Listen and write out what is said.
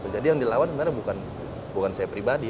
jadi yang dilawan sebenarnya bukan saya pribadi